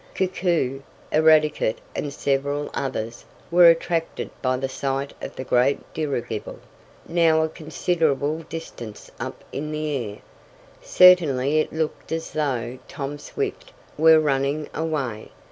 Koku, Eradicate and several others were attracted by the sight of the great dirigible, now a considerable distance up in the air. Certainly it looked as though Tom Swift were running away.